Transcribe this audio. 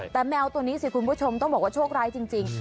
แต่แมวตัวนี้ต้องบอกว่าโชคร้ายจริง